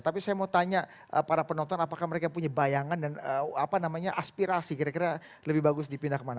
tapi saya mau tanya para penonton apakah mereka punya bayangan dan aspirasi kira kira lebih bagus dipindah kemana